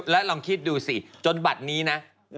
แล้วลองคิดดูสิจนบัตรนี้นะ